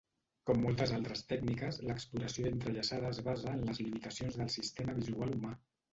Com moltes altres tècniques, l'exploració entrellaçada es basa en les limitacions del sistema visual humà.